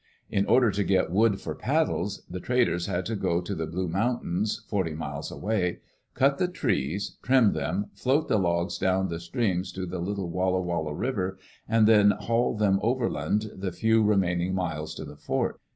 In order to get wood for saddles, the ti:iid\|t;s had to go to the Blue Mountains, forty miles away, cutithe trees, trim them, float the logs down the streams ^i^^the little Walla Walla River, and then haul them overland the few remaining miles to the fort.